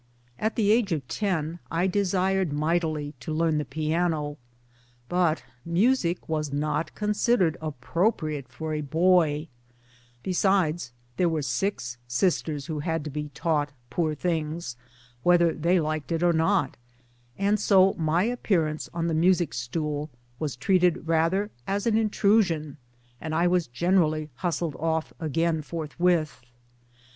At the age of ten I desired mightily to learn the piano ; but music was not considered appropriate for a boy besides there were six sisters who had to be taught, poor things, whether they liked it or not and so my appearance on the music stool was treated rather as an intrusion, and I was generally hustled off again forthwith.